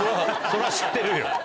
そりゃ知ってるよ。